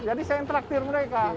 jadi saya interaktir mereka